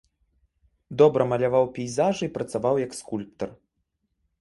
Добра маляваў пейзажы і працаваў як скульптар.